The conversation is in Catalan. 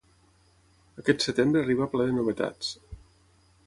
Aquest setembre arriba ple de novetats.